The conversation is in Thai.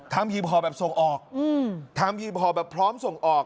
ทำหีบหอเป็นทรงออกอือทำหีบหอแบบพร้อมส่งออก